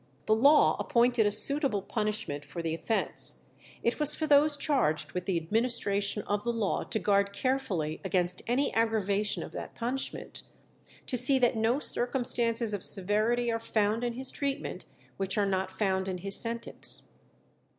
The law appointed a suitable punishment for the offence; it was for those charged with the administration of the law to guard carefully against any aggravation of that punishment, to see that "no circumstances of severity are found in his treatment which are not found in his sentence."